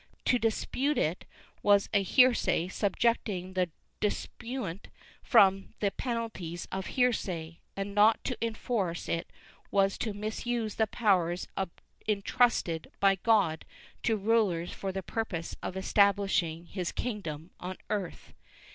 To dispute it was a heresy subjecting the disputant to the penalties of heresy, and not to enforce it was to misuse the powers entrusted by God to rulers for the purpose of establishing his kingdom on earth.